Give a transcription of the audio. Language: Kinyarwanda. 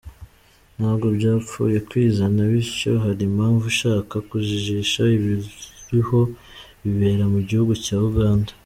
Ntabwo byapfuye kwizana bityo, hari impavu ishaka kujijisha, ibiriho bibera mugihugu cya Uganda.